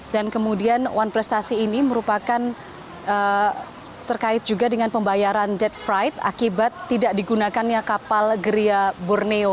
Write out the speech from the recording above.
dan kemudian wan prestasi ini merupakan terkait juga dengan pembayaran debt freight akibat tidak digunakannya kapal geria borneo